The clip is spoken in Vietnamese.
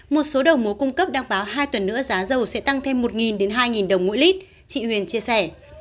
một số đầu mối cung cấp đang báo hai tuần nữa giá dầu sẽ tăng thêm một hai đồng mỗi lít chị huyền chia sẻ